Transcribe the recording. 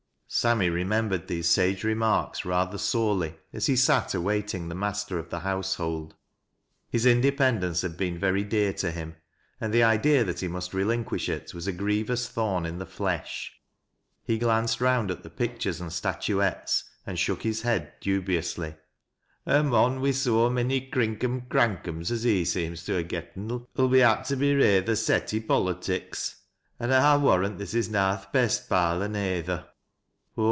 Sammy remembered these sage remarks rather sorely, as he sat awaiting the master of the household. His indepen dence had been very dear to him, and the idea that he must relinquish it was a grievous thorn in the flesh. He glanced round at the pictures and statuettes and shook hie head dubiously. " A mou wi' so many crinkum crankums as he seems tt ha' getten '11 be apt to be reyther set i' polytics. An' Pll wari'ant tliis is na th' best parlor neyther.